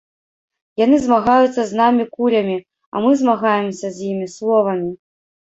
Яны змагаюцца з намі кулямі, а мы змагаемся з імі словамі.